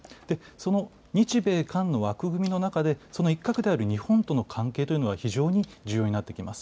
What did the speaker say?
その日米韓の枠組みの中で、その一角である日本との関係というのは非常に重要になってきます。